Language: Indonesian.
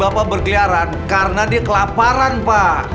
bapak berkeliaran karena dia kelaparan pak